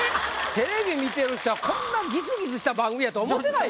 テレビ見てる人はこんなギスギスした番組やと思ってないよ。